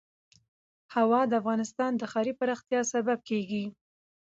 هوا د افغانستان د ښاري پراختیا سبب کېږي.